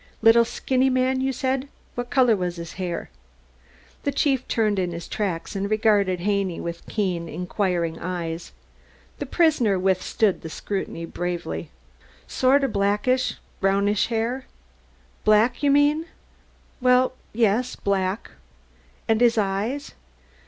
"Little, skinny man you said. What color was his hair?" The chief turned in his tracks and regarded Haney with keen, inquiring eyes. The prisoner withstood the scrutiny bravely. "Sort o' blackish, brownish hair." "Black, you mean?" "Well, yes black." "And his eyes?"